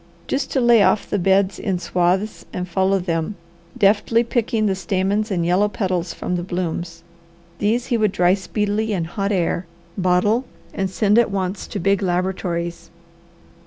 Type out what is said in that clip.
Just to lay off the beds in swaths and follow them, deftly picking the stamens and yellow petals from the blooms. These he would dry speedily in hot air, bottle, and send at once to big laboratories.